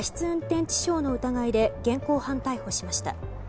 運転致傷の疑いで現行犯逮捕しました。